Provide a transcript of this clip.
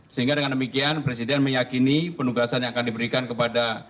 sehingga dengan demikian presiden meyakini penugasan yang akan diberikan kepada